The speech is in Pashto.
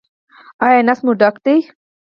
ایا نس مو ډک دی؟